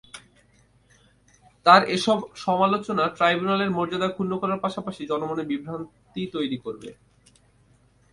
তাঁর এসব সমালোচনা ট্রাইব্যুনালের মর্যাদা ক্ষুণ্ন করার পাশাপাশি জনমনে বিভ্রান্তি তৈরি করবে।